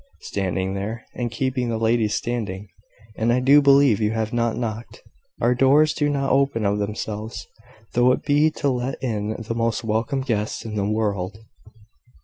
Standing there, and keeping the ladies standing! and I do believe you have not knocked. Our doors do not open of themselves, though it be to let in the most welcome guests in the world.